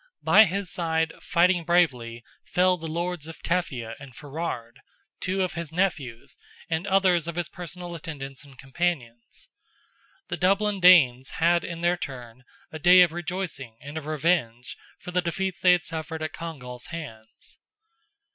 By his side, fighting bravely, fell the lords of Teffia and Ferrard, two of his nephews, and others of his personal attendants and companions. The Dublin Danes had in their turn a day of rejoicing and of revenge for the defeats they had suffered at Congal's hands.